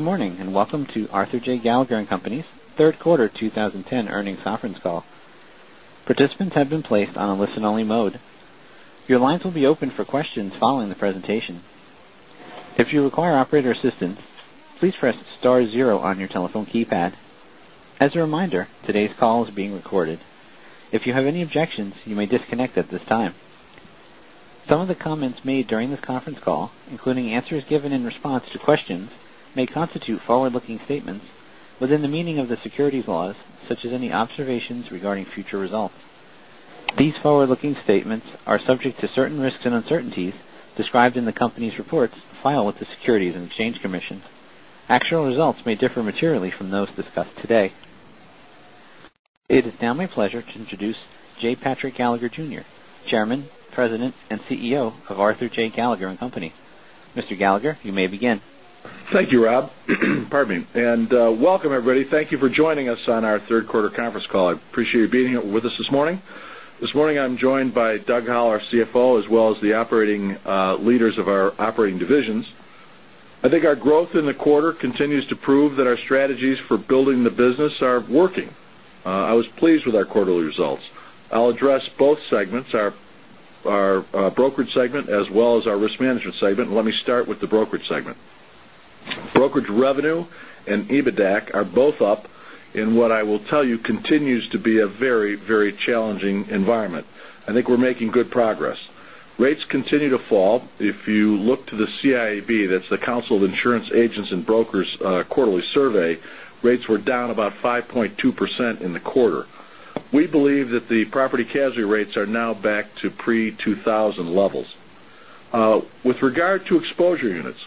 Good morning, and welcome to Arthur J. Gallagher & Co.'s third quarter 2010 earnings conference call. Participants have been placed on a listen-only mode. Your lines will be open for questions following the presentation. If you require operator assistance, please press star zero on your telephone keypad. As a reminder, today's call is being recorded. If you have any objections, you may disconnect at this time. Some of the comments made during this conference call, including answers given in response to questions, may constitute forward-looking statements within the meaning of the securities laws, such as any observations regarding future results. These forward-looking statements are subject to certain risks and uncertainties described in the company's reports filed with the Securities and Exchange Commission. Actual results may differ materially from those discussed today. It is now my pleasure to introduce J. Patrick Gallagher Jr., Chairman, President, and CEO of Arthur J. Gallagher & Co.. Mr. Gallagher, you may begin. Thank you, Rob. Pardon me. Welcome, everybody. Thank you for joining us on our third quarter conference call. I appreciate you being with us this morning. This morning, I'm joined by Doug Howell, our CFO, as well as the operating leaders of our operating divisions. I think our growth in the quarter continues to prove that our strategies for building the business are working. I was pleased with our quarterly results. I'll address both segments, our brokerage segment as well as our risk management segment. Let me start with the brokerage segment. Brokerage revenue and EBITDA are both up in what I will tell you continues to be a very, very challenging environment. I think we're making good progress. Rates continue to fall. If you look to the CIAB, that's The Council of Insurance Agents & Brokers quarterly survey, rates were down about 5.2% in the quarter. We believe that the property casualty rates are now back to pre-2000 levels. With regard to exposure units,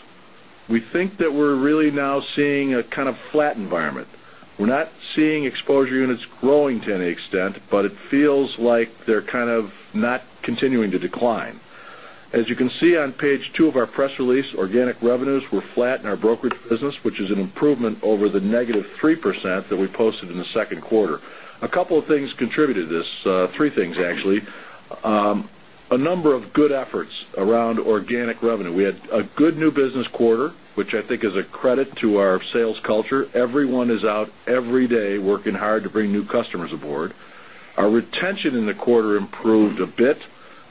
we think that we're really now seeing a kind of flat environment. We're not seeing exposure units growing to any extent. It feels like they're kind of not continuing to decline. As you can see on page two of our press release, organic revenues were flat in our brokerage business, which is an improvement over the negative 3% that we posted in the second quarter. A couple of things contributed to this, three things, actually. A number of good efforts around organic revenue. We had a good new business quarter, which I think is a credit to our sales culture. Everyone is out every day working hard to bring new customers aboard. Our retention in the quarter improved a bit.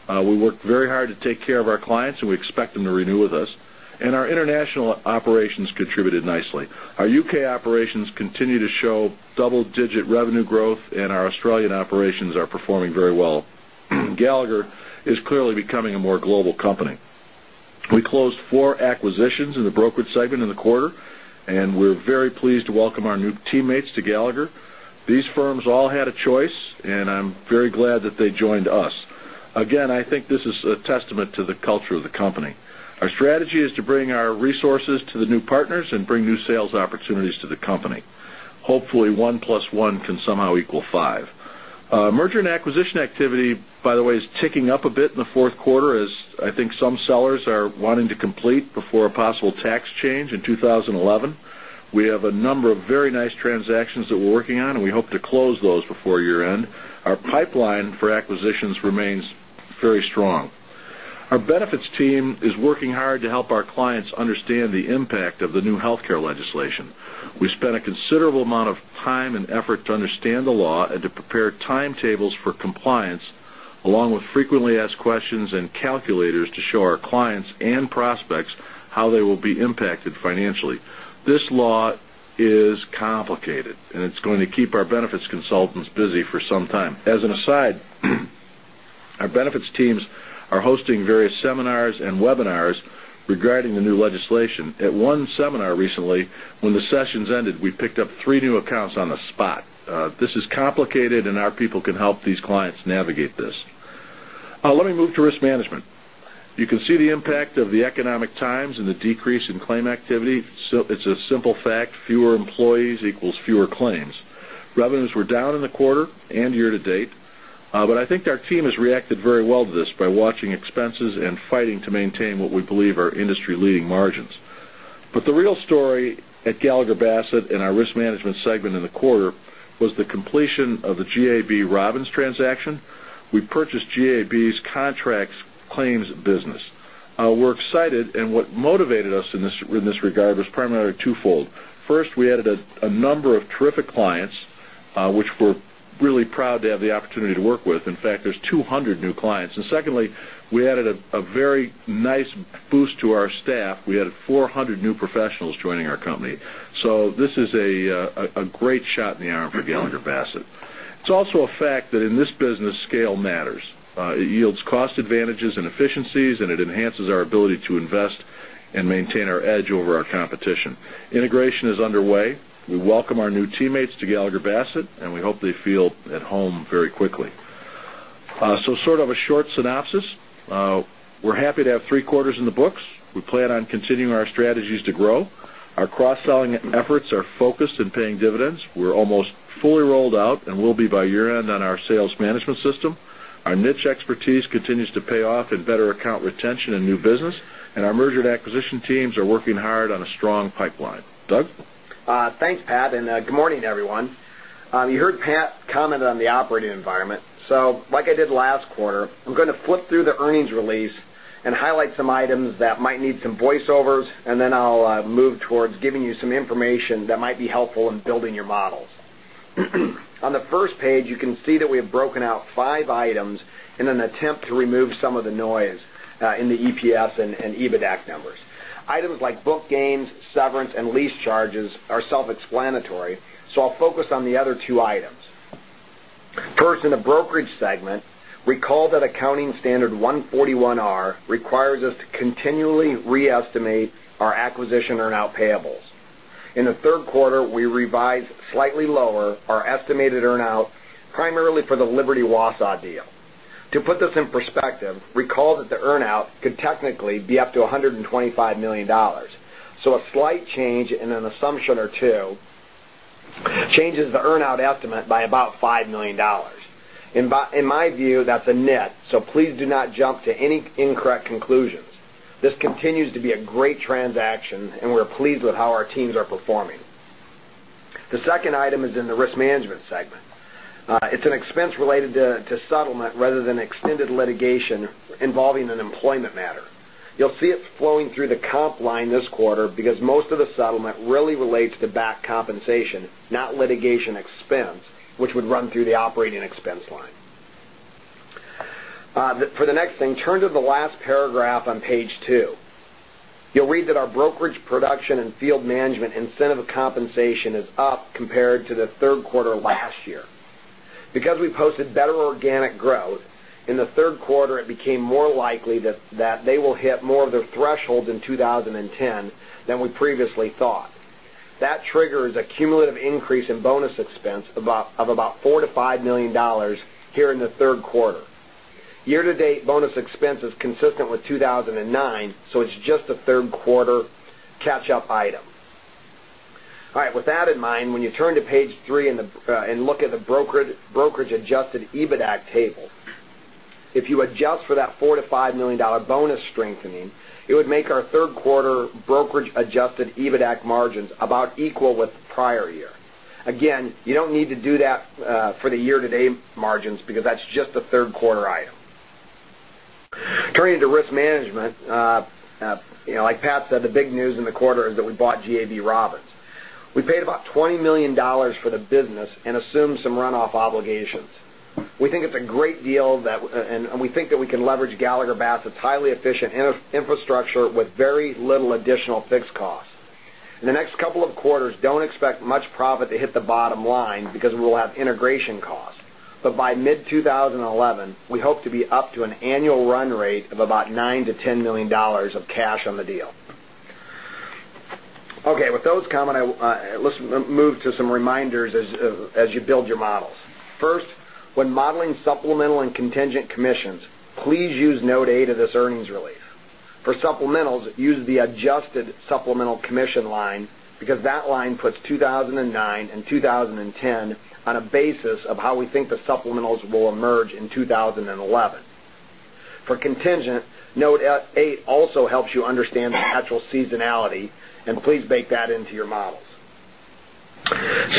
We worked very hard to take care of our clients, and we expect them to renew with us. Our international operations contributed nicely. Our U.K. operations continue to show double-digit revenue growth, and our Australian operations are performing very well. Gallagher is clearly becoming a more global company. We closed 4 acquisitions in the brokerage segment in the quarter, and we're very pleased to welcome our new teammates to Gallagher. These firms all had a choice, and I'm very glad that they joined us. Again, I think this is a testament to the culture of the company. Our strategy is to bring our resources to the new partners and bring new sales opportunities to the company. Hopefully, one plus one can somehow equal five. Merger and acquisition activity, by the way, is ticking up a bit in the fourth quarter as I think some sellers are wanting to complete before a possible tax change in 2011. We have a number of very nice transactions that we're working on, and we hope to close those before year-end. Our pipeline for acquisitions remains very strong. Our benefits team is working hard to help our clients understand the impact of the new healthcare legislation. We spent a considerable amount of time and effort to understand the law and to prepare timetables for compliance, along with frequently asked questions and calculators to show our clients and prospects how they will be impacted financially. This law is complicated, and it's going to keep our benefits consultants busy for some time. As an aside, our benefits teams are hosting various seminars and webinars regarding the new legislation. At one seminar recently, when the sessions ended, we picked up three new accounts on the spot. This is complicated, and our people can help these clients navigate this. Let me move to risk management. You can see the impact of the economic times and the decrease in claim activity. It's a simple fact, fewer employees equals fewer claims. Revenues were down in the quarter and year-to-date, but I think our team has reacted very well to this by watching expenses and fighting to maintain what we believe are industry-leading margins. The real story at Gallagher Bassett in our risk management segment in the quarter was the completion of the GAB Robins transaction. We purchased GAB's contracts claims business. We're excited, and what motivated us in this regard was primarily twofold. First, we added a number of terrific clients, which we're really proud to have the opportunity to work with. In fact, there's 200 new clients. Secondly, we added a very nice boost to our staff. We added 400 new professionals joining our company. This is a great shot in the arm for Gallagher Bassett. It's also a fact that in this business, scale matters. It yields cost advantages and efficiencies, and it enhances our ability to invest and maintain our edge over our competition. Integration is underway. We welcome our new teammates to Gallagher Bassett, and we hope they feel at home very quickly. Sort of a short synopsis. We're happy to have three quarters in the books. We plan on continuing our strategies to grow. Our cross-selling efforts are focused on paying dividends. We're almost fully rolled out and will be by year-end on our sales management system. Our niche expertise continues to pay off in better account retention and new business, and our merger and acquisition teams are working hard on a strong pipeline. Doug? Thanks, Pat, and good morning, everyone. You heard Pat comment on the operating environment. Like I did last quarter, I'm going to flip through the earnings release and highlight some items that might need some voiceovers, and then I'll move towards giving you some information that might be helpful in building your models. On the first page, you can see that we have broken out five items in an attempt to remove some of the noise in the EPS and EBITAC numbers. Items like book gains, severance, and lease charges are self-explanatory, so I'll focus on the other two items. First, in the brokerage segment, recall that accounting standard FAS 141R requires us to continually re-estimate our acquisition earn-out payables. In the third quarter, we revised slightly lower our estimated earn-out, primarily for the Liberty/Wausau deal. To put this in perspective, recall that the earn-out could technically be up to $125 million. A slight change in an assumption or two changes the earn-out estimate by about $5 million. In my view, that's a net, so please do not jump to any incorrect conclusions. This continues to be a great transaction, and we're pleased with how our teams are performing. The second item is in the risk management segment. It's an expense related to settlement rather than extended litigation involving an employment matter. You'll see it flowing through the comp line this quarter because most of the settlement really relates to back compensation, not litigation expense, which would run through the operating expense line. For the next thing, turn to the last paragraph on page two. You'll read that our brokerage production and field management incentive compensation is up compared to the third quarter last year. Because we posted better organic growth, in the third quarter, it became more likely that they will hit more of their thresholds in 2010 than we previously thought. That triggers a cumulative increase in bonus expense of about $4 million-$5 million here in the third quarter. Year-to-date bonus expense is consistent with 2009, it's just a third quarter catch-up item. All right. With that in mind, when you turn to page three and look at the brokerage-adjusted EBITAC table, if you adjust for that $4 million-$5 million bonus strengthening, it would make our third quarter brokerage-adjusted EBITAC margins about equal with the prior year. Again, you don't need to do that for the year-to-date margins because that's just a third quarter item. Turning to risk management, like Pat said, the big news in the quarter is that we bought GAB Robins. We paid about $20 million for the business and assumed some runoff obligations. We think it's a great deal, and we think that we can leverage Gallagher Bassett's highly efficient infrastructure with very little additional fixed costs. In the next couple of quarters, don't expect much profit to hit the bottom line because we will have integration costs. By mid-2011, we hope to be up to an annual run rate of about $9 million to $10 million of cash on the deal. Okay, with those comments, let's move to some reminders as you build your models. First, when modeling supplemental and contingent commissions, please use note eight of this earnings release. For supplementals, use the adjusted supplemental commission line because that line puts 2009 and 2010 on a basis of how we think the supplementals will emerge in 2011. For contingent, note eight also helps you understand the natural seasonality, and please bake that into your models.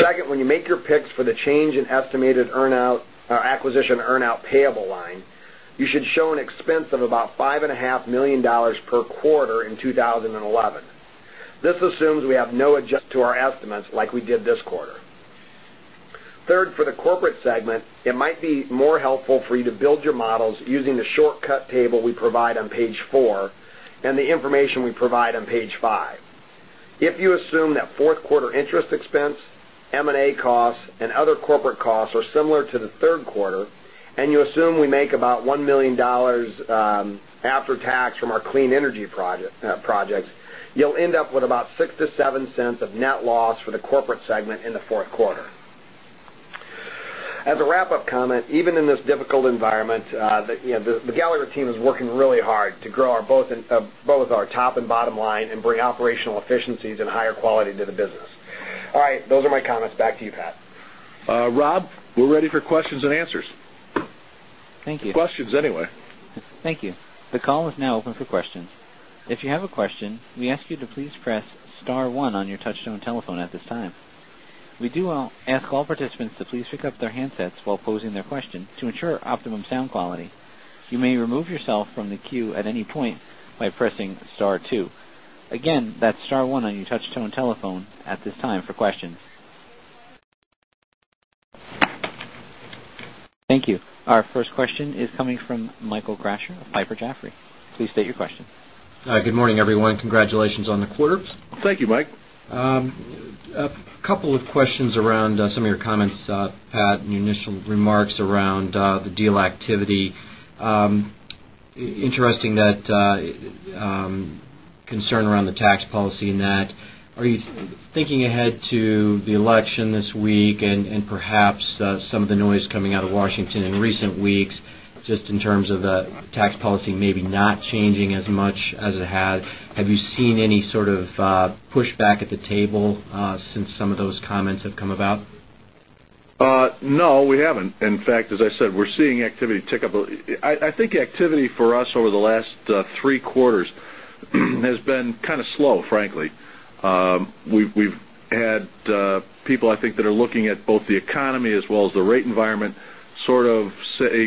Second, when you make your picks for the change in estimated acquisition earn-out payable line, you should show an expense of about $5.5 million per quarter in 2011. This assumes we have no adjust to our estimates like we did this quarter. Third, for the corporate segment, it might be more helpful for you to build your models using the shortcut table we provide on page four and the information we provide on page five. If you assume that fourth quarter interest expense, M&A costs, and other corporate costs are similar to the third quarter, and you assume we make about $1 million after tax from our clean energy projects, you'll end up with about $0.06 to $0.07 of net loss for the corporate segment in the fourth quarter. As a wrap-up comment, even in this difficult environment, the Gallagher team is working really hard to grow both our top and bottom line and bring operational efficiencies and higher quality to the business. All right. Those are my comments. Back to you, Pat. Bob, we're ready for questions and answers. Thank you. Questions anyway. Thank you. The call is now open for questions. If you have a question, we ask you to please press *1 on your touch-tone telephone at this time. We do ask all participants to please pick up their handsets while posing their question to ensure optimum sound quality. You may remove yourself from the queue at any point by pressing *2. Again, that's *1 on your touch-tone telephone at this time for questions. Thank you. Our first question is coming from Michael Nannizzi of Piper Jaffray. Please state your question. Good morning, everyone. Congratulations on the quarter. Thank you, Mike. A couple of questions around some of your comments, Pat, in your initial remarks around the deal activity. Interesting that concern around the tax policy and that. Are you thinking ahead to the election this week and perhaps some of the noise coming out of Washington in recent weeks, just in terms of the tax policy maybe not changing as much as it has? Have you seen any sort of pushback at the table since some of those comments have come about? No, we haven't. In fact, as I said, we're seeing activity tick up. I think activity for us over the last three quarters has been kind of slow, frankly. We've had people, I think, that are looking at both the economy as well as the rate environment, sort of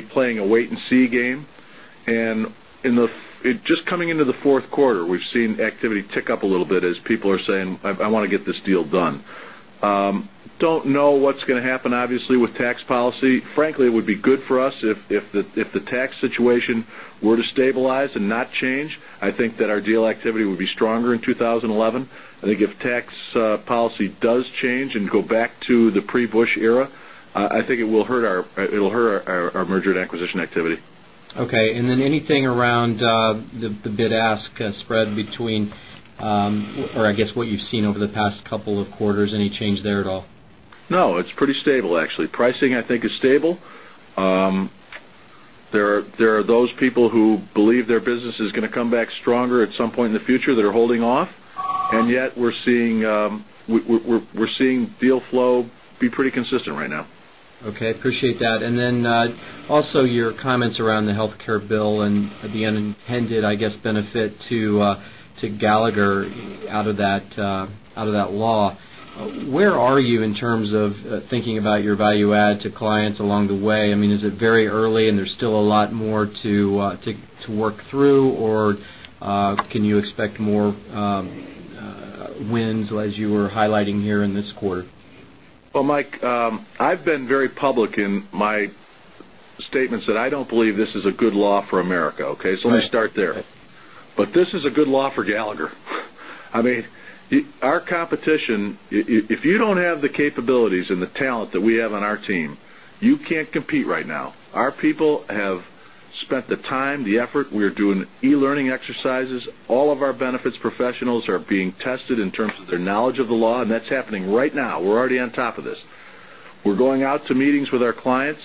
playing a wait-and-see game. Just coming into the fourth quarter, we've seen activity tick up a little bit as people are saying, "I want to get this deal done." Don't know what's going to happen, obviously, with tax policy. Frankly, it would be good for us if the tax situation were to stabilize and not change. I think that our deal activity would be stronger in 2011. I think if tax policy does change and go back to the pre-Bush era, I think it will hurt our merger and acquisition activity. Okay, anything around the bid-ask spread between, or I guess what you've seen over the past couple of quarters, any change there at all? No, it's pretty stable, actually. Pricing, I think is stable. There are those people who believe their business is going to come back stronger at some point in the future that are holding off, yet we're seeing deal flow be pretty consistent right now. Okay. Appreciate that. Also your comments around the healthcare bill and the unintended, I guess, benefit to Gallagher out of that law. Where are you in terms of thinking about your value add to clients along the way? Is it very early and there's still a lot more to work through? Can you expect more wins as you were highlighting here in this quarter? Well, Mike, I've been very public in my statements that I don't believe this is a good law for America, okay. Right. Let me start there. This is a good law for Gallagher. If you don't have the capabilities and the talent that we have on our team, you can't compete right now. Our people have spent the time, the effort. We are doing e-learning exercises. All of our benefits professionals are being tested in terms of their knowledge of the law, that's happening right now. We're already on top of this. We're going out to meetings with our clients,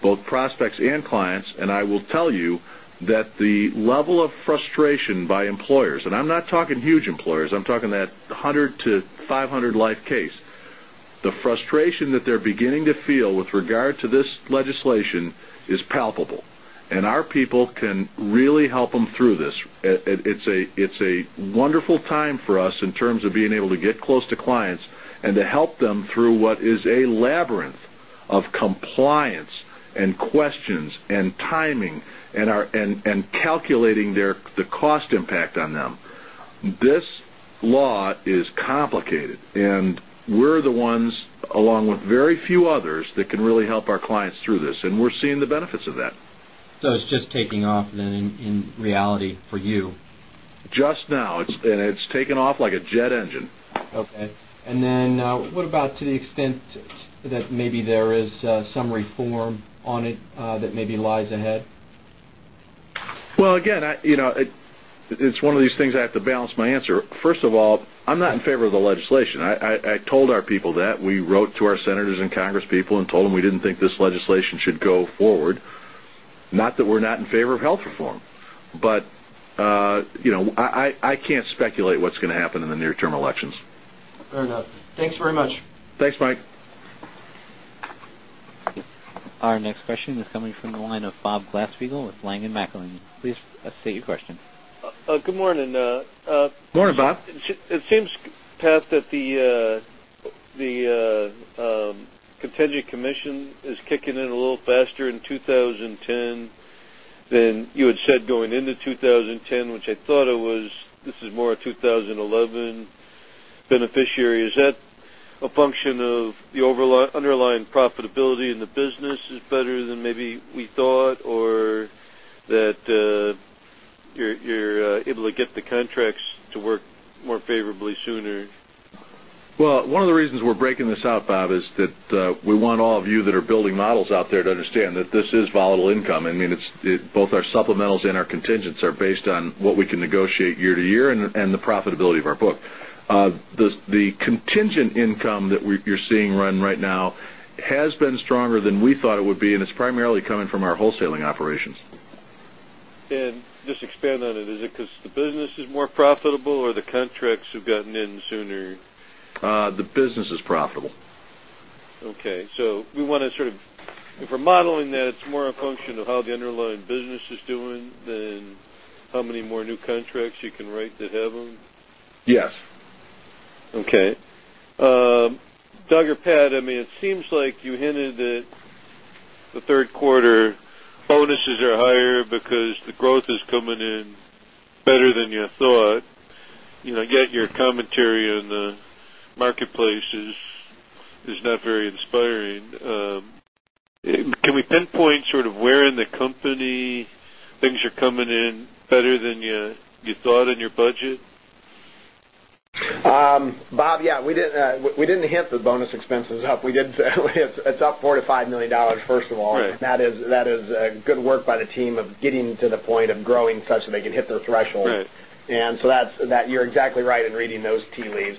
both prospects and clients, I will tell you that the level of frustration by employers, I'm not talking huge employers, I'm talking that 100 to 500 life case. The frustration that they're beginning to feel with regard to this legislation is palpable, our people can really help them through this. It's a wonderful time for us in terms of being able to get close to clients and to help them through what is a labyrinth of compliance and questions and timing and calculating the cost impact on them. This law is complicated, and we're the ones, along with very few others, that can really help our clients through this, and we're seeing the benefits of that. It's just taking off then in reality for you. Just now. It's taken off like a jet engine. Okay. What about to the extent that maybe there is some reform on it that maybe lies ahead? Well, again, it's one of these things I have to balance my answer. First of all, I'm not in favor of the legislation. I told our people that. We wrote to our senators and congresspeople and told them we didn't think this legislation should go forward. Not that we're not in favor of health reform. I can't speculate what's going to happen in the near-term elections. Fair enough. Thanks very much. Thanks, Mike. Our next question is coming from the line of Bob Glasspiegel with Langen McAlenney. Please state your question. Good morning. Morning, Bob. It seems, Pat, that the contingent commission is kicking in a little faster in 2010 than you had said going into 2010, which I thought it was, this is more a 2011 beneficiary. Is that a function of the underlying profitability in the business is better than maybe we thought, or that you're able to get the contracts to work more favorably sooner? Well, one of the reasons we're breaking this out, Bob, is that we want all of you that are building models out there to understand that this is volatile income. Both our supplementals and our contingents are based on what we can negotiate year to year and the profitability of our book. The contingent income that you're seeing run right now has been stronger than we thought it would be, and it's primarily coming from our wholesaling operations. Just expand on it. Is it because the business is more profitable or the contracts have gotten in sooner? The business is profitable. Okay. If we're modeling that, it's more a function of how the underlying business is doing than how many more new contracts you can write that have them? Yes. Okay. Doug or Pat, it seems like you hinted that the third quarter bonuses are higher because the growth is coming in better than you thought. Your commentary on the marketplace is not very inspiring. Can we pinpoint sort of where in the company things are coming in better than you thought in your budget? Bob, yeah. We didn't hit the bonus expenses up. It's up $4 million-$5 million, first of all. Right. That is good work by the team of getting to the point of growing such that they can hit those thresholds. Right. You're exactly right in reading those tea leaves.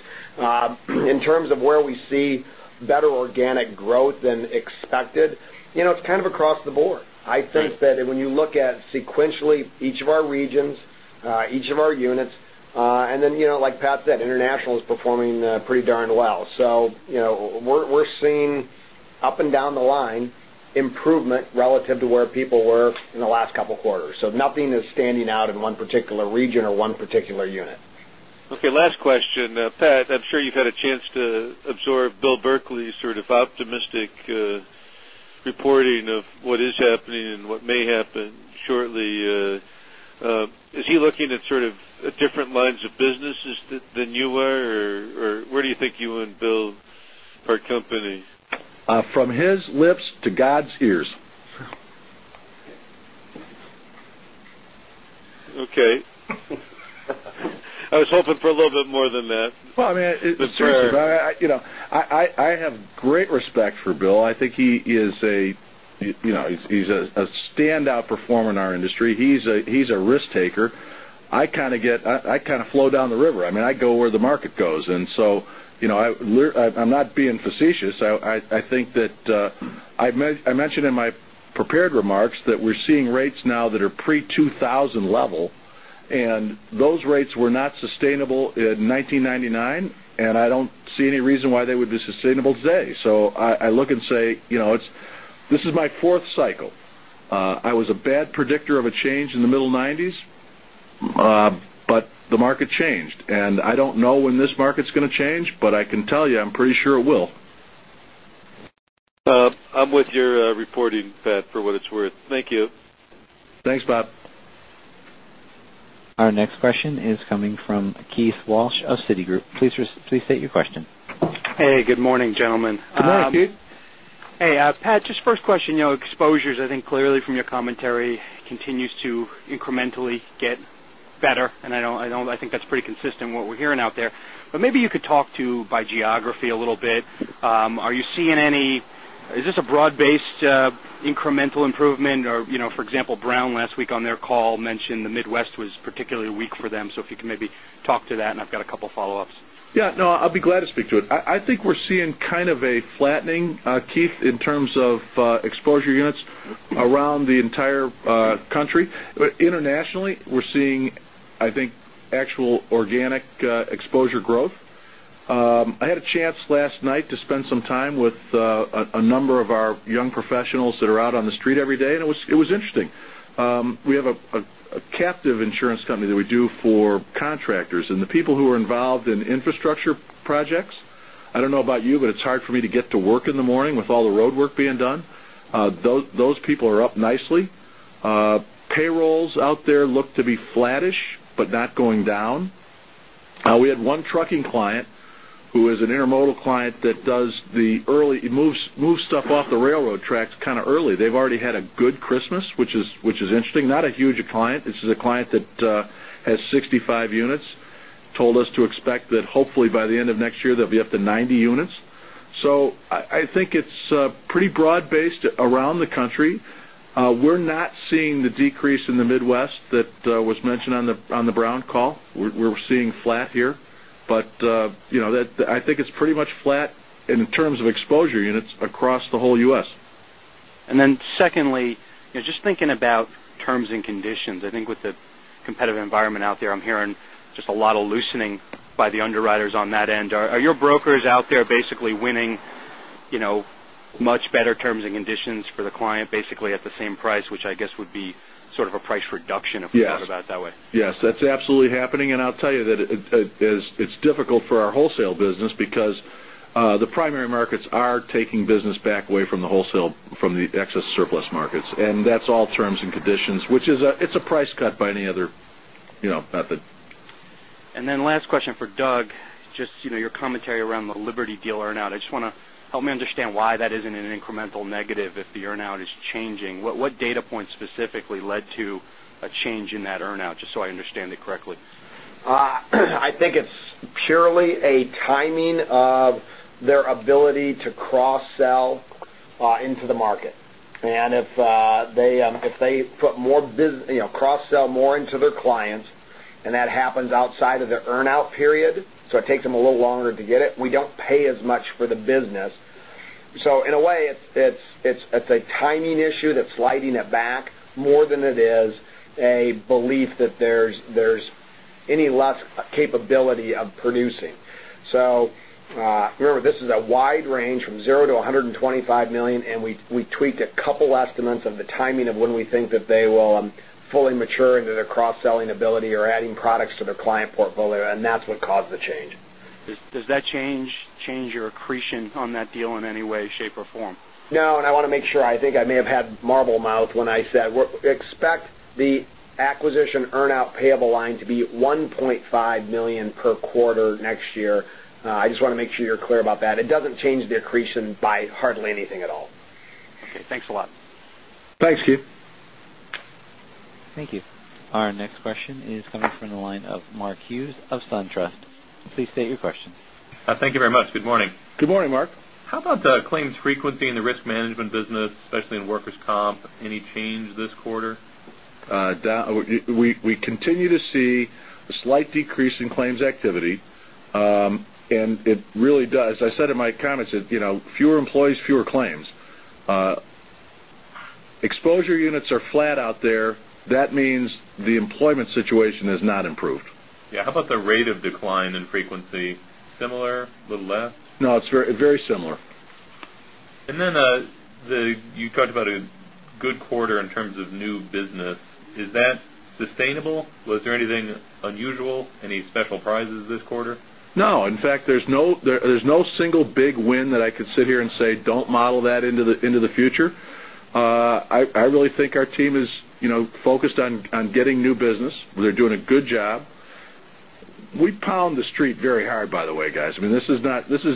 In terms of where we see better organic growth than expected, it's kind of across the board. Right. I think that when you look at sequentially each of our regions, each of our units. Like Pat said, international is performing pretty darn well. We're seeing up and down the line improvement relative to where people were in the last couple of quarters. Nothing is standing out in one particular region or one particular unit. Okay, last question. Pat, I'm sure you've had a chance to absorb Bill Berkley's sort of optimistic reporting of what is happening and what may happen shortly. Is he looking at sort of different lines of businesses than you are? Where do you think you and Bill, are company? From his lips to God's ears. Okay. I was hoping for a little bit more than that. Well, man, seriously. I have great respect for Bill. I think he's a standout performer in our industry. He's a risk-taker. I kind of flow down the river. I go where the market goes. I'm not being facetious. I mentioned in my prepared remarks that we're seeing rates now that are pre-2000 level, those rates were not sustainable in 1999, I don't see any reason why they would be sustainable today. I look and say, this is my fourth cycle. I was a bad predictor of a change in the middle '90s, the market changed. I don't know when this market's going to change, but I can tell you, I'm pretty sure it will. I'm with your reporting, Pat, for what it's worth. Thank you. Thanks, Bob. Our next question is coming from Keith Walsh of Citigroup. Please state your question. Hey, good morning, gentlemen. Good morning, Keith. Hey, Pat, just first question. Exposures, I think clearly from your commentary, continues to incrementally get better, and I think that's pretty consistent what we're hearing out there. Maybe you could talk to, by geography a little bit. Is this a broad-based incremental improvement or, for example, Brown & Brown last week on their call mentioned the Midwest was particularly weak for them. If you could maybe talk to that, and I've got a couple of follow-ups. I'll be glad to speak to it. I think we're seeing kind of a flattening, Keith, in terms of exposure units around the entire country. Internationally, we're seeing, I think, actual organic exposure growth. I had a chance last night to spend some time with a number of our young professionals that are out on the street every day, and it was interesting. We have a captive insurance company that we do for contractors. The people who are involved in infrastructure projects, I don't know about you, but it's hard for me to get to work in the morning with all the roadwork being done. Those people are up nicely. Payrolls out there look to be flattish, but not going down. We had one trucking client who is an intermodal client that moves stuff off the railroad tracks kind of early. They've already had a good Christmas, which is interesting. Not a huge client. This is a client that has 65 units. Told us to expect that hopefully by the end of next year, they'll be up to 90 units. I think it's pretty broad-based around the country. We're not seeing the decrease in the Midwest that was mentioned on the Brown & Brown call. We're seeing flat here. I think it's pretty much flat in terms of exposure units across the whole U.S. Secondly, just thinking about terms and conditions. I think with the competitive environment out there, I'm hearing just a lot of loosening by the underwriters on that end. Are your brokers out there basically winning much better terms and conditions for the client, basically at the same price, which I guess would be sort of a price reduction if we thought about it that way? Yes. That's absolutely happening. I'll tell you that it's difficult for our wholesale business because the primary markets are taking business back away from the excess surplus markets. That's all terms and conditions, which it's a price cut by any other method. Last question for Doug, just your commentary around the Liberty deal earn out. Help me understand why that isn't an incremental negative if the earn out is changing. What data point specifically led to a change in that earn out? Just so I understand it correctly. I think it's purely a timing of their ability to cross-sell into the market. If they cross-sell more into their clients, and that happens outside of their earn-out period, so it takes them a little longer to get it, we don't pay as much for the business. In a way, it's a timing issue that's sliding it back more than it is a belief that there's any less capability of producing. Remember, this is a wide range from $0-$125 million, and we tweaked a couple estimates of the timing of when we think that they will fully mature into their cross-selling ability or adding products to their client portfolio, and that's what caused the change. Does that change your accretion on that deal in any way, shape, or form? No. I want to make sure. I think I may have had marble mouth when I said, expect the acquisition earn-out payable line to be $1.5 million per quarter next year. I just want to make sure you're clear about that. It doesn't change the accretion by hardly anything at all. Okay, thanks a lot. Thanks, Keith. Thank you. Our next question is coming from the line of Mark Hughes of SunTrust. Please state your question. Thank you very much. Good morning. Good morning, Mark. How about the claims frequency in the risk management business, especially in workers' comp? Any change this quarter? We continue to see a slight decrease in claims activity. It really does. I said in my comments that fewer employees, fewer claims. Exposure units are flat out there. That means the employment situation has not improved. Yeah. How about the rate of decline in frequency? Similar? Little less? No, it's very similar. You talked about a good quarter in terms of new business. Is that sustainable? Was there anything unusual, any special prizes this quarter? No. In fact, there's no single big win that I could sit here and say, "Don't model that into the future." I really think our team is focused on getting new business, where they're doing a good job. We pound the street very hard, by the way, guys. This is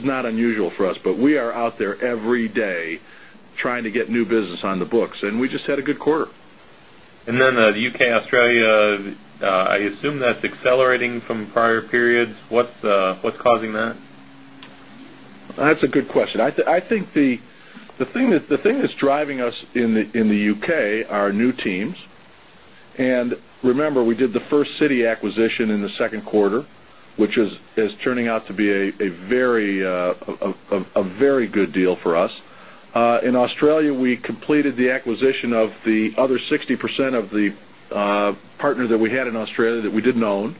not unusual for us, but we are out there every day trying to get new business on the books, and we just had a good quarter. The U.K., Australia, I assume that's accelerating from prior periods. What's causing that? That's a good question. I think the thing that's driving us in the U.K. are new teams. Remember, we did the First City acquisition in the second quarter, which is turning out to be a very good deal for us. In Australia, we completed the acquisition of the other 60% of the partner that we had in Australia that we didn't own,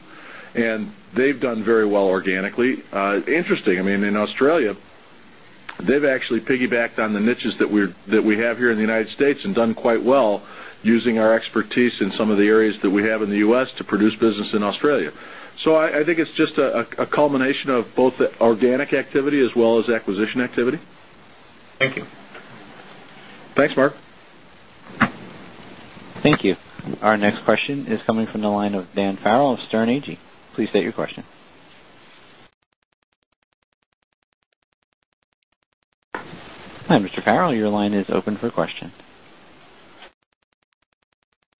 and they've done very well organically. Interesting. In Australia, they've actually piggybacked on the niches that we have here in the U.S. and done quite well using our expertise in some of the areas that we have in the U.S. to produce business in Australia. I think it's just a culmination of both the organic activity as well as acquisition activity. Thank you. Thanks, Mark. Thank you. Our next question is coming from the line of Dan Farrell of Sterne Agee. Please state your question. Hi, Mr. Farrell, your line is open for question.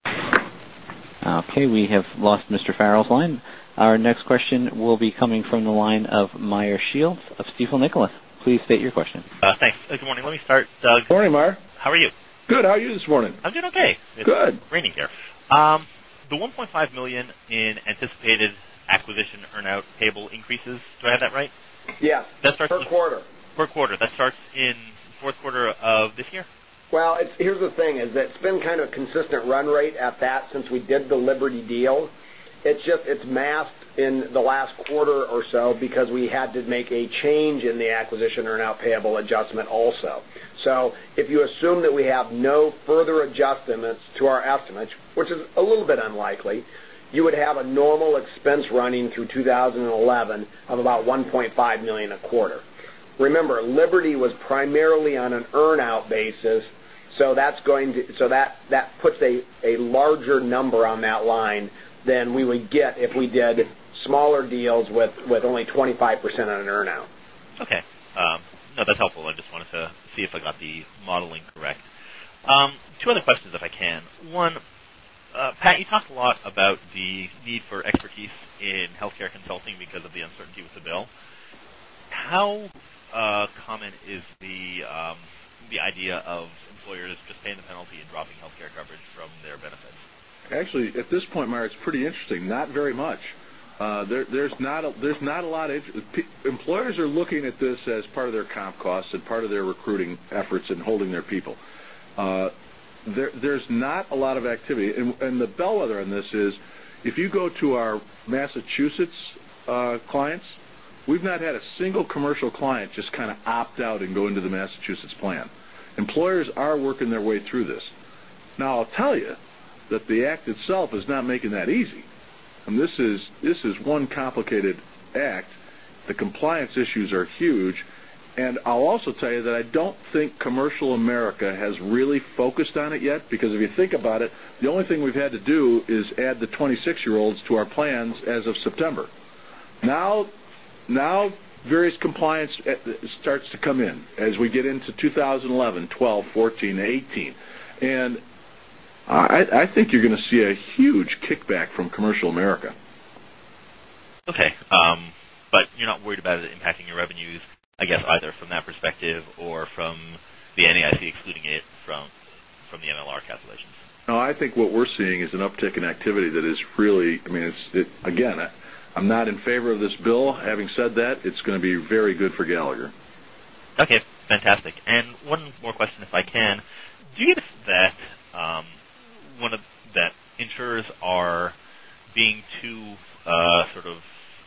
Okay, we have lost Mr. Farrell's line. Our next question will be coming from the line of Meyer Shields of Stifel Nicolaus. Please state your question. Thanks. Good morning. Let me start, Doug. Morning, Meyer. How are you? Good. How are you this morning? I'm doing okay. Good. It's raining here. The $1.5 million in anticipated acquisition earn-out payable increases, do I have that right? Yeah. That starts- Per quarter. Per quarter. That starts in fourth quarter of this year? Well, here's the thing, is that it's been kind of consistent run rate at that since we did the Liberty deal. It's just it's masked in the last quarter or so because we had to make a change in the acquisition or an out payable adjustment also. If you assume that we have no further adjustments to our estimates, which is a little bit unlikely, you would have a normal expense running through 2011 of about $1.5 million a quarter. Remember, Liberty was primarily on an earn-out basis, so that puts a larger number on that line than we would get if we did smaller deals with only 25% on an earn-out. Okay. No, that's helpful. I just wanted to see if I got the modeling correct. Two other questions, if I can. One, Pat, you talked a lot about the need for expertise in healthcare consulting because of the uncertainty with the bill. How common is the idea of employers just paying the penalty and dropping healthcare coverage from their benefits? Actually, at this point, Meyer, it's pretty interesting. Not very much. Employers are looking at this as part of their comp cost and part of their recruiting efforts in holding their people. There's not a lot of activity. The bellwether in this is, if you go to our Massachusetts clients, we've not had a single commercial client just opt out and go into the Massachusetts plan. Employers are working their way through this. I'll tell you that the act itself is not making that easy. This is one complicated act. The compliance issues are huge. I'll also tell you that I don't think commercial America has really focused on it yet, because if you think about it, the only thing we've had to do is add the 26-year-olds to our plans as of September. Various compliance starts to come in as we get into 2011, 2012, 2014, and 2018. I think you're gonna see a huge kickback from commercial America. Okay. You're not worried about it impacting your revenues, I guess, either from that perspective or from the NAIC excluding it from the MLR calculations. No, I think what we're seeing is an uptick in activity that is really. Again, I'm not in favor of this bill. Having said that, it's going to be very good for Gallagher. Okay. Fantastic. One more question, if I can. Do you get that insurers are being too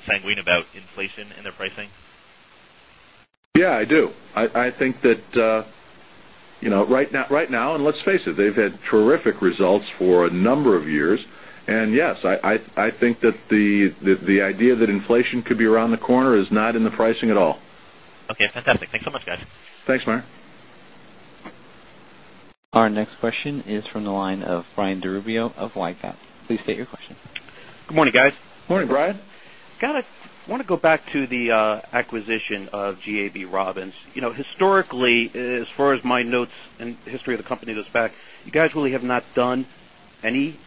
sanguine about inflation in their pricing? Yeah, I do. I think that right now, and let's face it, they've had terrific results for a number of years. Yes, I think that the idea that inflation could be around the corner is not in the pricing at all. Okay. Fantastic. Thanks so much, guys. Thanks, Meyer. Our next question is from the line of Brian Meredith of UBS. Please state your question. Good morning, guys. Morning, Brian. I want to go back to the acquisition of GAB Robins. Historically, as far as my notes and history of the company goes back, you guys really have not done any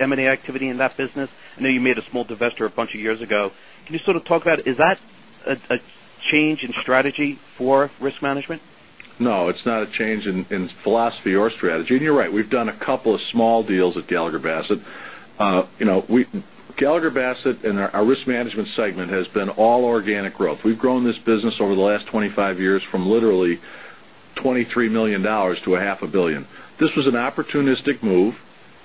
M&A activity in that business. I know you made a small divestiture a bunch of years ago. Can you sort of talk about, is that a change in strategy for risk management? No, it's not a change in philosophy or strategy. You're right, we've done a couple of small deals at Gallagher Bassett. Gallagher Bassett and our risk management segment has been all organic growth. We've grown this business over the last 25 years from literally $23 million to a half a billion. This was an opportunistic move,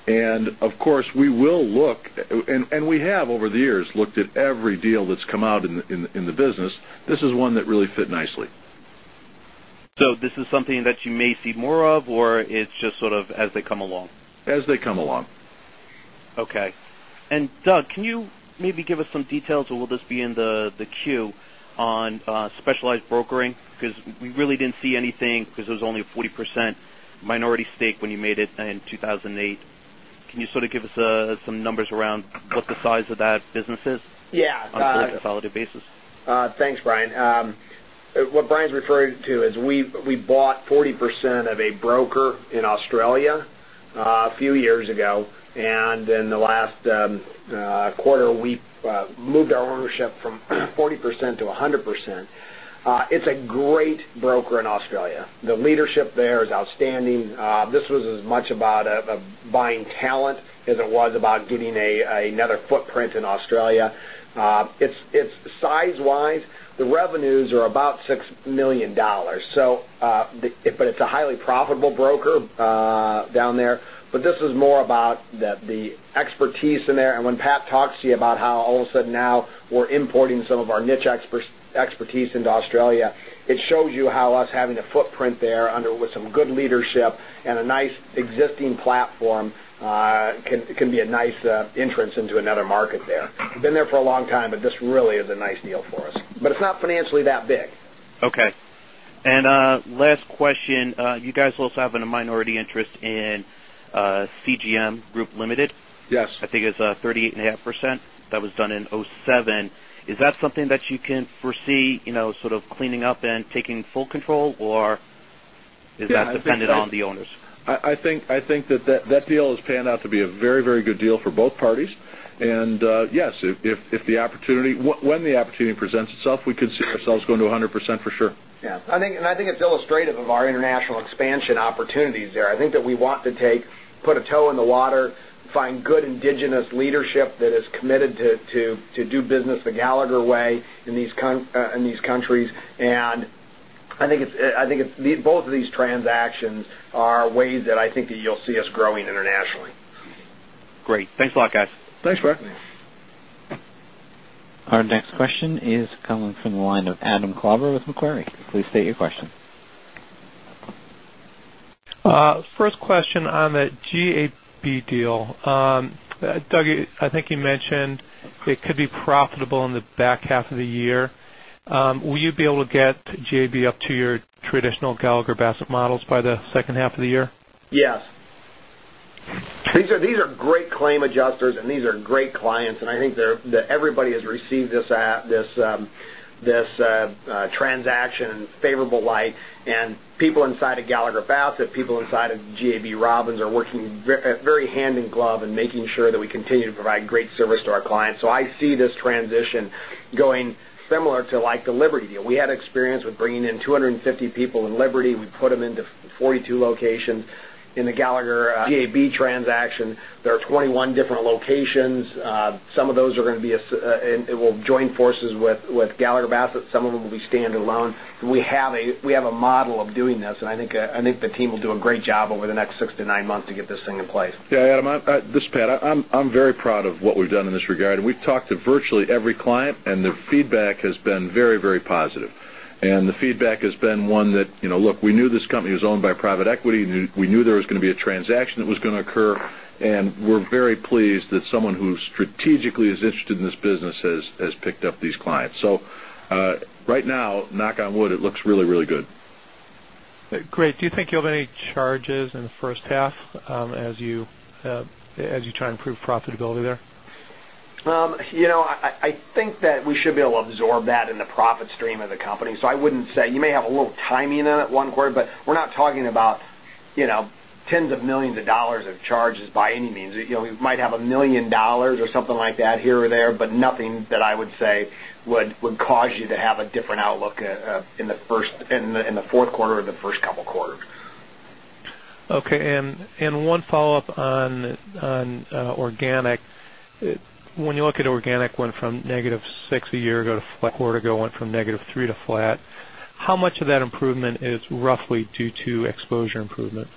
and of course, we will look, and we have over the years, looked at every deal that's come out in the business. This is one that really fit nicely. This is something that you may see more of, or it's just sort of as they come along? As they come along. Okay. Doug, can you maybe give us some details, or will this be in the queue on Specialised Broking? Because we really didn't see anything because there was only a 40% minority stake when you made it in 2008. Can you give us some numbers around what the size of that business is? Yeah. On a pro forma basis. Thanks, Brian. What Brian's referring to is we bought 40% of a broker in Australia a few years ago, and in the last quarter, we moved our ownership from 40% to 100%. It's a great broker in Australia. The leadership there is outstanding. This was as much about buying talent as it was about getting another footprint in Australia. Size-wise, the revenues are about $6 million. It's a highly profitable broker down there. This is more about the expertise in there. When Pat talks to you about how all of a sudden now we're importing some of our niche expertise into Australia, it shows you how us having a footprint there with some good leadership and a nice existing platform, can be a nice entrance into another market there. Been there for a long time, this really is a nice deal for us. It's not financially that big. Okay. Last question. You guys also have a minority interest in CGM Group Limited. Yes. I think it's 38.5%. That was done in 2007. Is that something that you can foresee, sort of cleaning up and taking full control, or is that dependent on the owners? I think that deal has panned out to be a very, very good deal for both parties. Yes, when the opportunity presents itself, we consider ourselves going to 100%, for sure. Yeah. I think it's illustrative of our international expansion opportunities there. I think that we want to put a toe in the water, find good indigenous leadership that is committed to do business the Gallagher way in these countries. I think both of these transactions are ways that I think that you'll see us growing internationally. Great. Thanks a lot, guys. Thanks, Brian. Our next question is coming from the line of Adam Klauber with Macquarie. Please state your question. First question on the GAB deal. Doug, I think you mentioned it could be profitable in the back half of the year. Will you be able to get GAB up to your traditional Gallagher Bassett models by the second half of the year? Yes. These are great claim adjusters. These are great clients, and I think that everybody has received this transaction in a favorable light. People inside of Gallagher Bassett, people inside of GAB Robins are working very hand in glove in making sure that we continue to provide great service to our clients. I see this transition going similar to the Liberty deal. We had experience with bringing in 250 people in Liberty. We put them into 42 locations. In the Gallagher GAB transaction, there are 21 different locations. Some of those will join forces with Gallagher Bassett. Some of them will be stand-alone. We have a model of doing this, and I think the team will do a great job over the next six to nine months to get this thing in place. Yeah, Adam. This is Pat. I'm very proud of what we've done in this regard. We've talked to virtually every client, and the feedback has been very, very positive. The feedback has been one that, look, we knew this company was owned by private equity, and we knew there was going to be a transaction that was going to occur, and we're very pleased that someone who strategically is interested in this business has picked up these clients. Right now, knock on wood, it looks really, really good. Great. Do you think you'll have any charges in the first half as you try and improve profitability there? I think that we should be able to absorb that in the profit stream of the company. I wouldn't say. You may have a little timing in it one quarter, but we're not talking about tens of millions of dollars of charges by any means. We might have $1 million or something like that here or there, but nothing that I would say would cause you to have a different outlook in the fourth quarter or the first couple of quarters. Okay. One follow-up on organic. When you look at organic, went from negative 6 a year ago to a quarter ago, went from negative 3 to flat. How much of that improvement is roughly due to exposure improvement?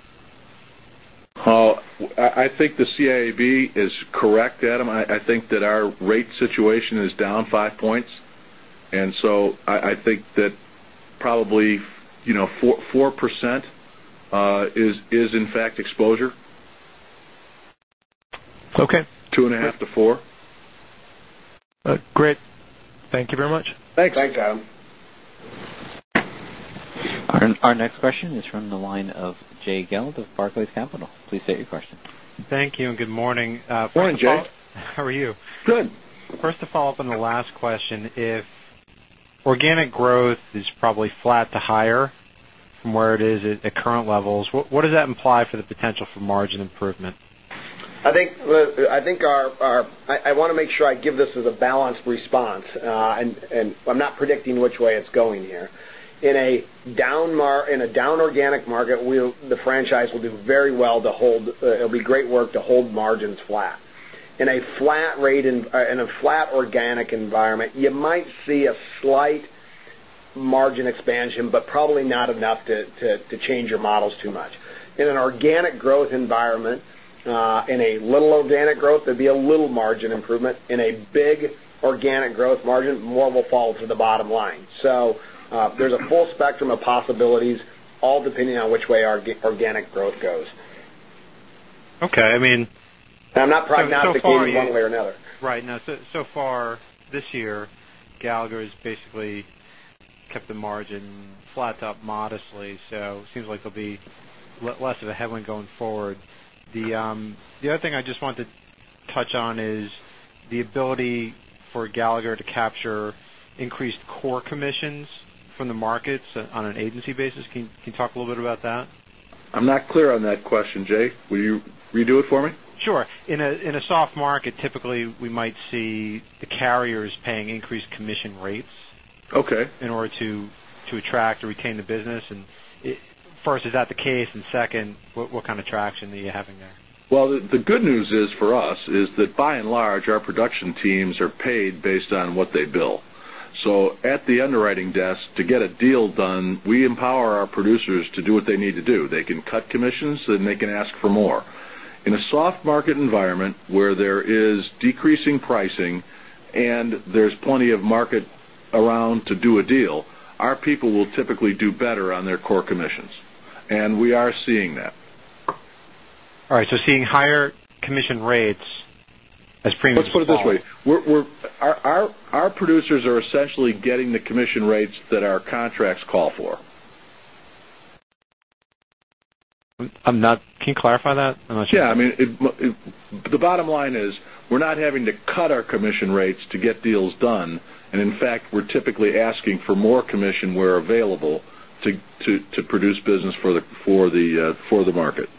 I think the CIAB is correct, Adam. I think that our rate situation is down five points. I think that probably 4% is, in fact, exposure. Okay. Two and a half to four. Great. Thank you very much. Thanks. Thanks, Adam. Our next question is from the line of Jay Gelb of Barclays Capital. Please state your question. Thank you and good morning. Morning, Jay. How are you? Good. First, to follow up on the last question, if organic growth is probably flat to higher from where it is at current levels, what does that imply for the potential for margin improvement? I want to make sure I give this as a balanced response. I'm not predicting which way it's going here. In a down organic market, the franchise, it'll be great work to hold margins flat. In a flat organic environment, you might see a slight margin expansion, but probably not enough to change your models too much. In an organic growth environment, in a little organic growth, there'd be a little margin improvement. In a big organic growth margin, more will fall to the bottom line. There's a full spectrum of possibilities, all depending on which way our organic growth goes. Okay. I'm not prognosticating one way or another. Right. So far this year, Gallagher has basically kept the margin flat to up modestly. Seems like there'll be less of a headwind going forward. The other thing I just wanted to touch on is the ability for Gallagher to capture increased core commissions from the markets on an agency basis. Can you talk a little bit about that? I'm not clear on that question, Jay. Will you redo it for me? Sure. In a soft market, typically, we might see the carriers paying increased commission rates. Okay In order to attract or retain the business. First, is that the case? Second, what kind of traction are you having there? The good news is for us, is that by and large, our production teams are paid based on what they bill. At the underwriting desk, to get a deal done, we empower our producers to do what they need to do. They can cut commissions, and they can ask for more. In a soft market environment where there is decreasing pricing and there's plenty of market around to do a deal, our people will typically do better on their core commissions, and we are seeing that. All right. Seeing higher commission rates as premiums fall. Let's put it this way. Our producers are essentially getting the commission rates that our contracts call for. Can you clarify that? I'm not sure. Yeah. The bottom line is we're not having to cut our commission rates to get deals done. In fact, we're typically asking for more commission where available to produce business for the market.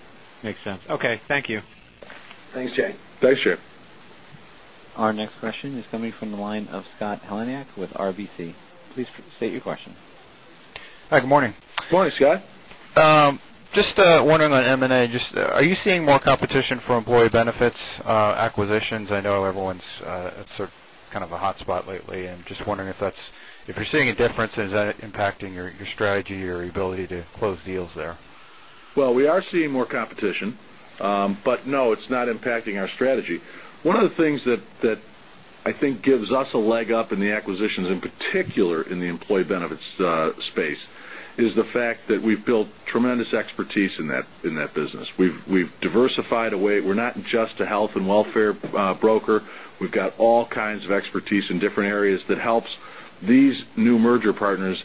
Makes sense. Okay. Thank you. Thanks, Jay. Thanks, Jay. Our next question is coming from the line of Scott Heleniak with RBC. Please state your question. Hi. Good morning. Good morning, Scott. Just wondering on M&A, are you seeing more competition for employee benefits acquisitions? I know everyone's sort of a hot spot lately. I'm just wondering if you're seeing a difference. Is that impacting your strategy or your ability to close deals there? We are seeing more competition. No, it's not impacting our strategy. One of the things that I think gives us a leg up in the acquisitions, in particular in the employee benefits space, is the fact that we've built tremendous expertise in that business. We've diversified away. We're not just a health and welfare broker. We've got all kinds of expertise in different areas that helps these new merger partners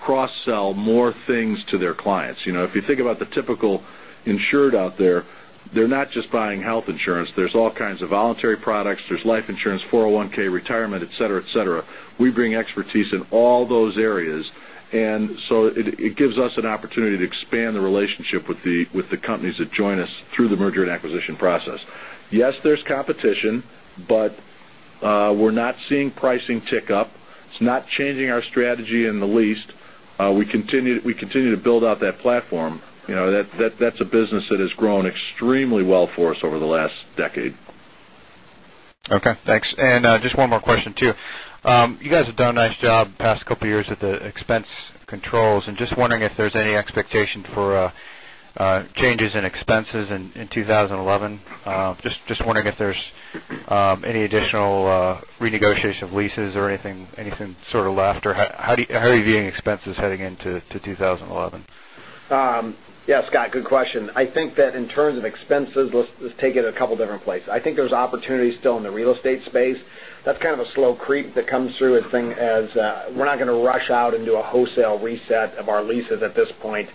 cross-sell more things to their clients. If you think about the typical insured out there, they're not just buying health insurance. There's all kinds of voluntary products. There's life insurance, 401(k), retirement, et cetera. We bring expertise in all those areas. It gives us an opportunity to expand the relationship with the companies that join us through the merger and acquisition process. Yes, there's competition, we're not seeing pricing tick up. It's not changing our strategy in the least. We continue to build out that platform. That's a business that has grown extremely well for us over the last decade. Okay, thanks. Just one more question, too. You guys have done a nice job the past couple of years with the expense controls, just wondering if there's any expectation for changes in expenses in 2011. Just wondering if there's any additional renegotiation of leases or anything left, or how are you viewing expenses heading into 2011? Yeah, Scott, good question. I think that in terms of expenses, let's take it a couple different places. I think there's opportunities still in the real estate space. That's kind of a slow creep that comes through as we're not going to rush out and do a wholesale reset of our leases at this point.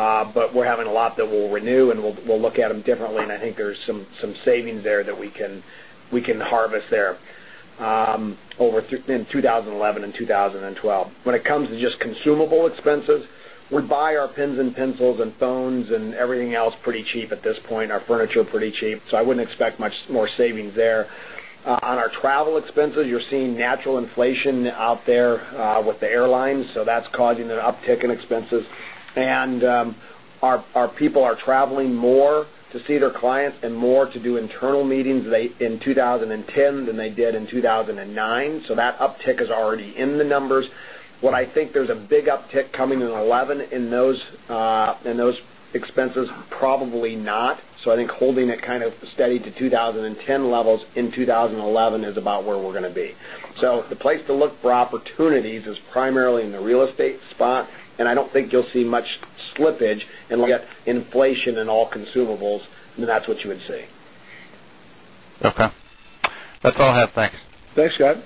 We're having a lot that we'll renew, and we'll look at them differently, and I think there's some savings there that we can harvest there in 2011 and 2012. When it comes to just consumable expenses, we buy our pens and pencils and phones and everything else pretty cheap at this point, our furniture pretty cheap, I wouldn't expect much more savings there. On our travel expenses, you're seeing natural inflation out there with the airlines, that's causing an uptick in expenses. Our people are traveling more to see their clients and more to do internal meetings in 2010 than they did in 2009. That uptick is already in the numbers. Would I think there's a big uptick coming in 2011 in those expenses? Probably not. I think holding it kind of steady to 2010 levels in 2011 is about where we're going to be. The place to look for opportunities is primarily in the real estate spot, and I don't think you'll see much slippage unless you get inflation in all consumables, then that's what you would see. Okay. That's all I have. Thanks. Thanks, Scott.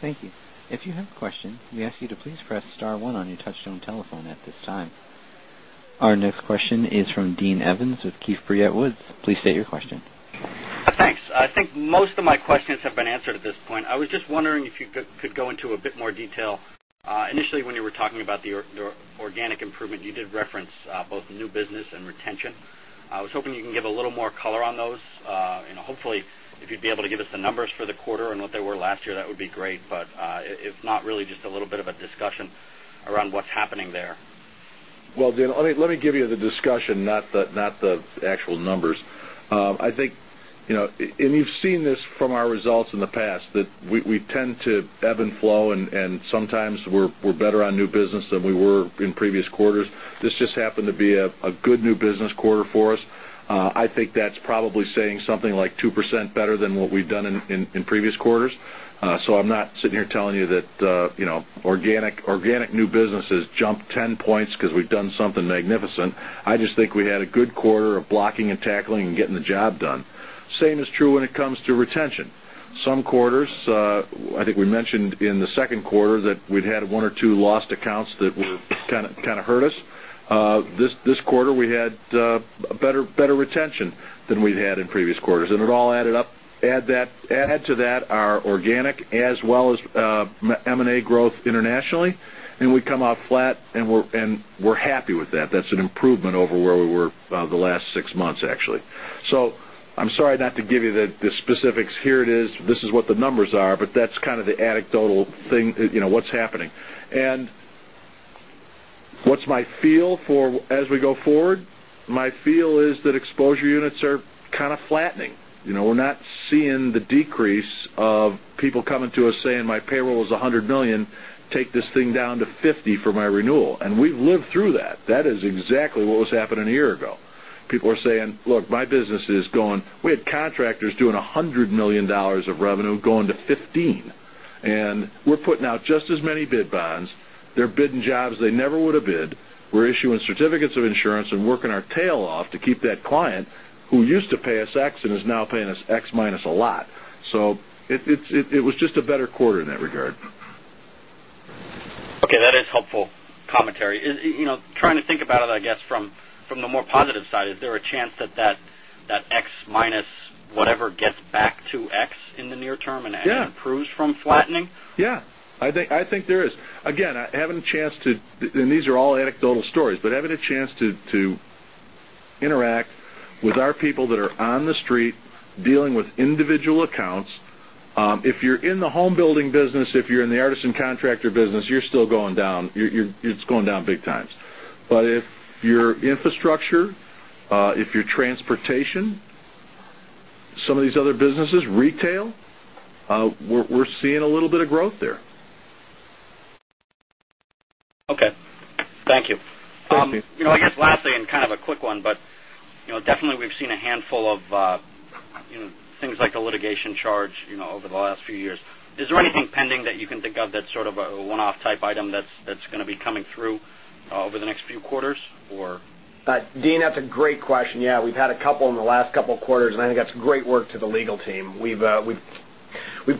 Thank you. If you have a question, we ask you to please press star 1 on your touchtone telephone at this time. Our next question is from Dean Evans with Keefe, Bruyette & Woods. Please state your question. Thanks. I think most of my questions have been answered at this point. I was just wondering if you could go into a bit more detail. Initially, when you were talking about the organic improvement, you did reference both new business and retention. I was hoping you can give a little more color on those. Hopefully, if you'd be able to give us the numbers for the quarter and what they were last year, that would be great. If not, really just a little bit of a discussion around what's happening there. Well, Dean, let me give you the discussion, not the actual numbers. I think, you've seen this from our results in the past, that we tend to ebb and flow, and sometimes we're better on new business than we were in previous quarters. This just happened to be a good new business quarter for us. I think that's probably saying something like 2% better than what we've done in previous quarters. I'm not sitting here telling you that organic new business has jumped 10 points because we've done something magnificent. I just think we had a good quarter of blocking and tackling and getting the job done. Same is true when it comes to retention. Some quarters, I think we mentioned in the second quarter that we'd had one or two lost accounts that kind of hurt us. This quarter, we had better retention than we'd had in previous quarters, it all added up. Add to that our organic as well as M&A growth internationally, we come out flat, we're happy with that. That's an improvement over where we were the last six months, actually. I'm sorry not to give you the specifics. Here it is. This is what the numbers are. That's kind of the anecdotal thing, what's happening. What's my feel as we go forward? My feel is that exposure units are kind of flattening. We're not seeing the decrease of people coming to us saying, "My payroll is $100 million. Take this thing down to 50 for my renewal." We've lived through that. That is exactly what was happening a year ago. People are saying, "Look, my business is going" We had contractors doing $100 million of revenue going to $15 million. We're putting out just as many bid bonds. They're bidding jobs they never would have bid. We're issuing certificates of insurance and working our tail off to keep that client who used to pay us X and is now paying us X minus a lot. It was just a better quarter in that regard. Okay. That is helpful commentary. Trying to think about it, I guess, from the more positive side, is there a chance that that X minus whatever gets back to X in the near term- Yeah Improves from flattening? Yeah. I think there is. Again, these are all anecdotal stories, but having a chance to interact with our people that are on the street dealing with individual accounts. If you're in the home building business, if you're in the artisan contractor business, you're still going down. It's going down big time. If you're infrastructure, if you're transportation, some of these other businesses, retail, we're seeing a little bit of growth there. Okay. Thank you. Thanks, Dean. I guess lastly, and kind of a quick one, but definitely we've seen a handful of things like a litigation charge over the last few years. Is there anything pending that you can think of that's sort of a one-off type item that's going to be coming through over the next few quarters or? Dean, that's a great question. Yeah, we've had a couple in the last couple of quarters, and I think that's great work to the legal team. We've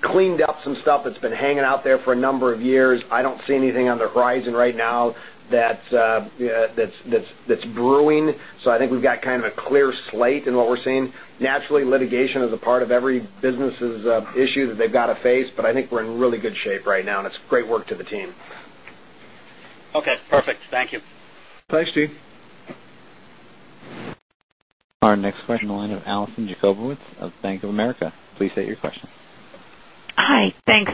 cleaned up some stuff that's been hanging out there for a number of years. I don't see anything on the horizon right now that's brewing. I think we've got kind of a clear slate in what we're seeing. Naturally, litigation is a part of every business' issue that they've got to face, but I think we're in really good shape right now, and it's great work to the team. Okay, perfect. Thank you. Thanks, Dean. Our next question on the line of Alison Jacobowitz of Bank of America. Please state your question. Hi. Thanks.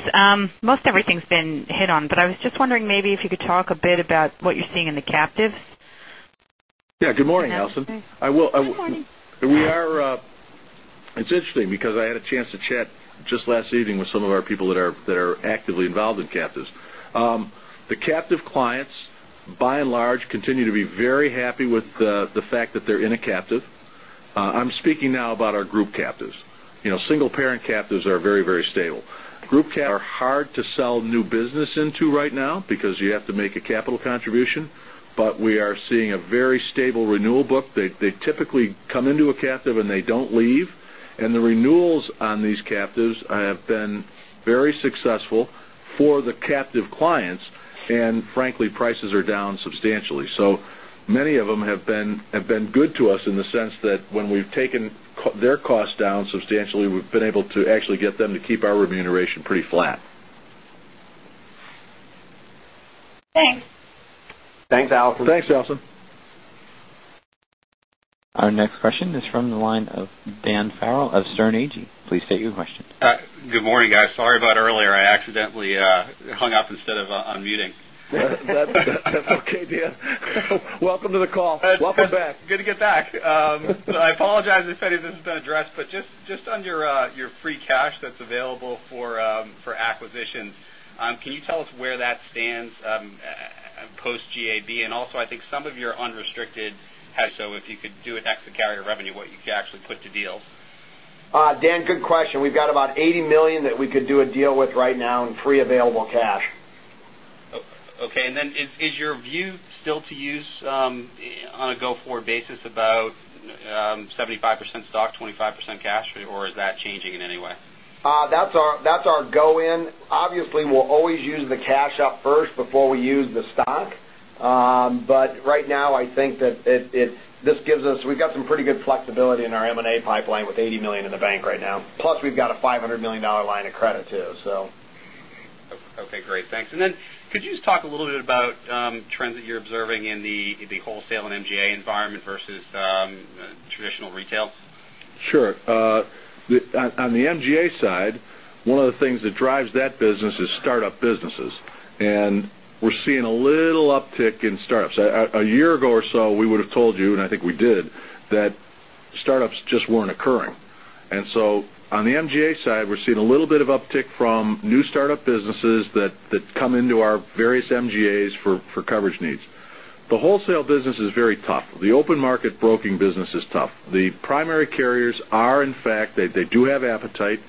Most everything's been hit on, but I was just wondering maybe if you could talk a bit about what you're seeing in the captives. Yeah. Good morning, Alison. Good morning. It's interesting because I had a chance to chat just last evening with some of our people that are actively involved in captives. The captive clients, by and large, continue to be very happy with the fact that they're in a captive. I'm speaking now about our group captives. Single parent captives are very stable. Group captives are hard to sell new business into right now because you have to make a capital contribution, but we are seeing a very stable renewal book. They typically come into a captive, and they don't leave. The renewals on these captives have been very successful for the captive clients, and frankly, prices are down substantially. Many of them have been good to us in the sense that when we've taken their cost down substantially, we've been able to actually get them to keep our remuneration pretty flat. Thanks. Thanks, Alison. Thanks, Alison. Our next question is from the line of Dan Farrell of Sterne Agee. Please state your question. Good morning, guys. Sorry about earlier. I accidentally hung up instead of unmuting. That's okay, Dan. Welcome to the call. Welcome back. Good to get back. I apologize if any of this has been addressed. Just on your free cash that's available for acquisitions, can you tell us where that stands post-GAB? Also, I think some of your unrestricted cash. If you could do an exit carrier revenue, what you could actually put to deals. Dan, good question. We've got about $80 million that we could do a deal with right now in free available cash. Okay. Then is your view still to use on a go-forward basis about 75% stock, 25% cash, or is that changing in any way? That's our go-in. Obviously, we'll always use the cash up first before we use the stock. Right now, I think that we've got some pretty good flexibility in our M&A pipeline with $80 million in the bank right now. Plus, we've got a $500 million line of credit, too. Okay, great. Thanks. Could you just talk a little bit about trends that you're observing in the wholesale and MGA environment versus traditional retails? Sure. On the MGA side, one of the things that drives that business is startup businesses. We're seeing a little uptick in startups. A year ago or so, we would've told you, and I think we did, that startups just weren't occurring. On the MGA side, we're seeing a little bit of uptick from new startup businesses that come into our various MGAs for coverage needs. The wholesale business is very tough. The open market broking business is tough. The primary carriers are, in fact, they do have appetite.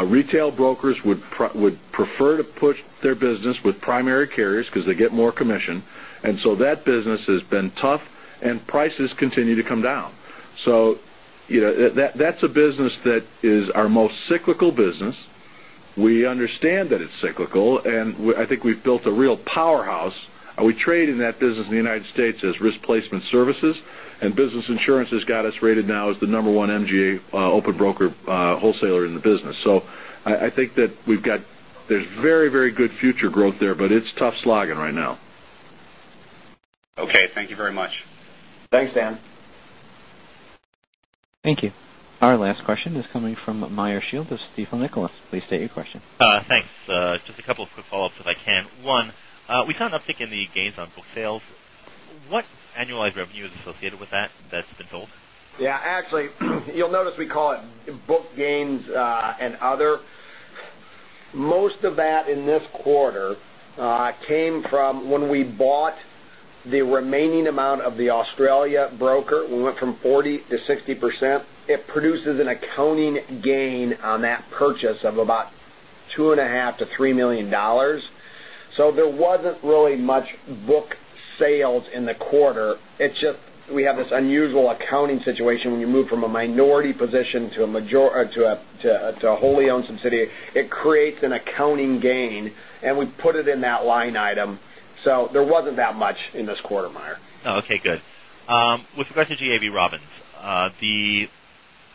Retail brokers would prefer to push their business with primary carriers because they get more commission. That business has been tough, and prices continue to come down. That's a business that is our most cyclical business. We understand that it's cyclical, and I think we've built a real powerhouse. We trade in that business in the U.S. as Risk Placement Services, and Business Insurance has got us rated now as the number one MGA open broker wholesaler in the business. I think that there's very good future growth there, but it's tough slogging right now. Okay. Thank you very much. Thanks, Dan. Thank you. Our last question is coming from Meyer Shields, Stifel Nicolaus. Please state your question. Thanks. Just a couple of quick follow-ups, if I can. One, we saw an uptick in the gains on book sales. What annualized revenue is associated with that's been sold? Yeah, actually, you'll notice we call it book gains and other. Most of that in this quarter came from when we bought the remaining amount of the Australia broker. We went from 40% to 60%. It produces an accounting gain on that purchase of about $2.5 million-$3 million. There wasn't really much book sales in the quarter. It's just we have this unusual accounting situation. When you move from a minority position to a wholly owned subsidiary, it creates an accounting gain, and we put it in that line item. There wasn't that much in this quarter, Meyer. Oh, okay, good. With regards to GAB Robins.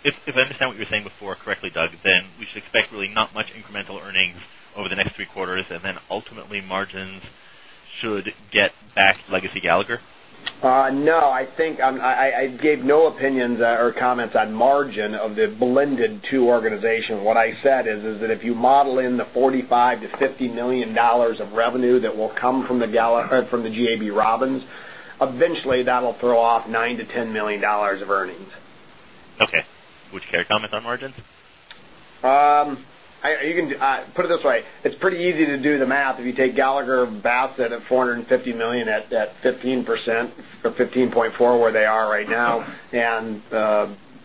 If I understand what you were saying before correctly, Doug, then we should expect really not much incremental earnings over the next three quarters, and then ultimately margins should get back to legacy Gallagher? No. I gave no opinions or comments on margin of the blended two organizations. What I said is that if you model in the $45 million-$50 million of revenue that will come from the GAB Robins, eventually that'll throw off $9 million-$10 million of earnings. Okay. Would you care to comment on margins? Put it this way. It's pretty easy to do the math. If you take Gallagher Bassett at $450 million at 15% or 15.4% where they are right now, and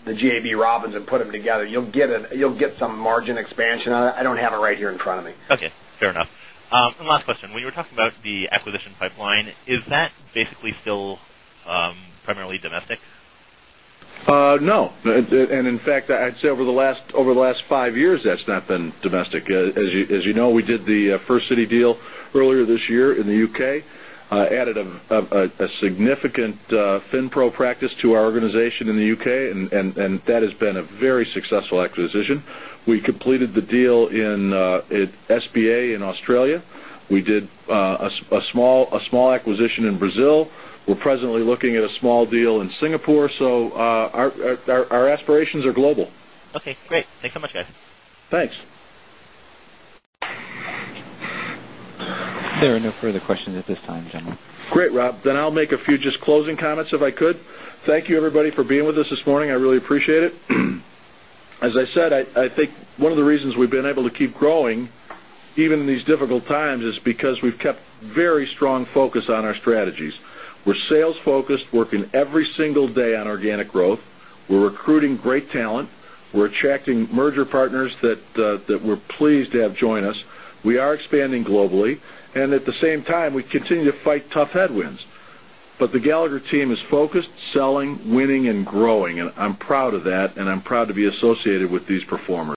the GAB Robins and put them together, you'll get some margin expansion on it. I don't have it right here in front of me. Okay, fair enough. Last question. When you were talking about the acquisition pipeline, is that basically still primarily domestic? No. In fact, I'd say over the last five years, that's not been domestic. As you know, we did the First City deal earlier this year in the U.K., added a significant FinPro practice to our organization in the U.K., and that has been a very successful acquisition. We completed the deal in SBA in Australia. We did a small acquisition in Brazil. We're presently looking at a small deal in Singapore. Our aspirations are global. Okay, great. Thanks so much, guys. Thanks. There are no further questions at this time, gentlemen. Great, Rob. I'll make a few just closing comments if I could. Thank you everybody for being with us this morning. I really appreciate it. As I said, I think one of the reasons we've been able to keep growing, even in these difficult times, is because we've kept very strong focus on our strategies. We're sales focused, working every single day on organic growth. We're recruiting great talent. We're attracting merger partners that we're pleased to have join us. We are expanding globally, and at the same time, we continue to fight tough headwinds. The Gallagher team is focused, selling, winning, and growing, and I'm proud of that, and I'm proud to be associated with these performers.